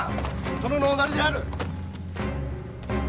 殿のおなりである！